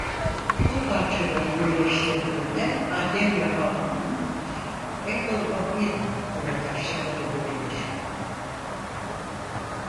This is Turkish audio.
Bu parçaları birleştirdiğinde Adem ve Havva'nın Apple of Eden ile kaçtıkları görülür.